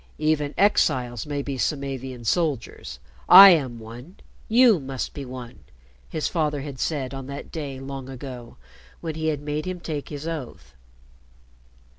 "Even exiles may be Samavian soldiers. I am one. You must be one," his father had said on that day long ago when he had made him take his oath.